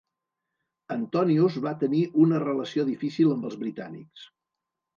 Antonius va tenir una relació difícil amb els britànics.